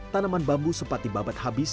tanaman bambu sempat dibabat habis